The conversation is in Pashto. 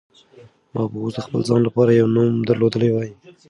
ما به اوس د خپل ځان لپاره یو نوم درلودلی وای.